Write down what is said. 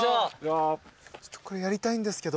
これやりたいんですけど。